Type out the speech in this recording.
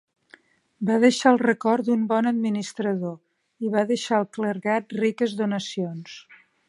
Va deixar el record d'un bon administrador, i va deixar al clergat riques donacions.